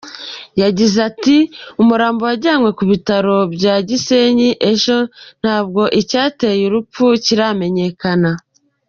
Yagize ati "Umurambo wajyanywe ku bitaro bya Gisenyi ejo, ntabwo icyateye urupfu kiramenyekana.